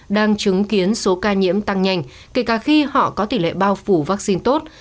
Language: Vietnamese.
đang chứng kiến số ca nhiễm tăng nhanh kể cả khi họ có tỷ lệ bao phủ vaccine tốt